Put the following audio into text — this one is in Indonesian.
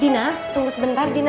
dina tunggu sebentar dina